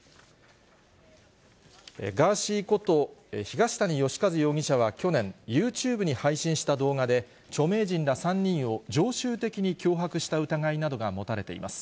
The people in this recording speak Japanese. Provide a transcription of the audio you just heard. ガーシーこと東谷義和容疑者は去年、ユーチューブに配信した動画で、著名人ら３人を、常習的に脅迫した疑いなどが持たれています。